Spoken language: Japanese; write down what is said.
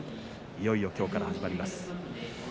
いよいよ、きょうから始まります。